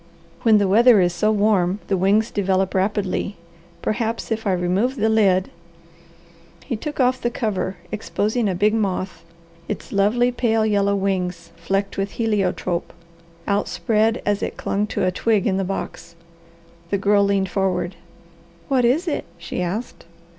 When the weather is so warm the wings develop rapidly. Perhaps if I remove the lid " He took off the cover, exposing a big moth, its lovely, pale yellow wings, flecked with heliotrope, outspread as it clung to a twig in the box. The Girl leaned forward. "What is it?" she asked.